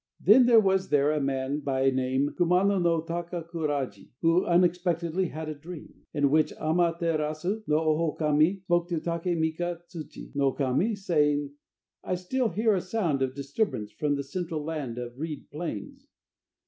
Then there was there a man by name Kumano no Takakuraji, who unexpectedly had a dream, in which Ama terasu no Ohokami spoke to Take mika tsuchi no Kami, saying: "I still hear a sound of disturbance from the central land of reed plains.